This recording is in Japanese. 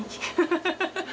ハハハハ！